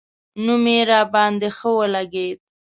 نوم یې راباندې ښه ولګېد.